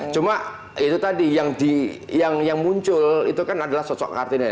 cuma itu tadi yang muncul itu kan adalah sosok kartini